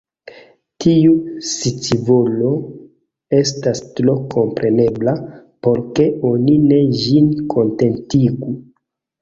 Tiu scivolo estas tro komprenebla, por ke oni ne ĝin kontentigu.